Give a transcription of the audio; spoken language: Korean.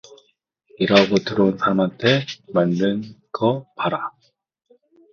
일하고 들어온 사람한테 말는 거 봐라